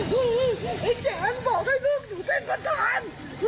ไอ้จ้านบอกให้ลูกหนูเต้นประทาน